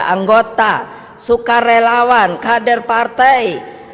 anggota sukarelawan kader partai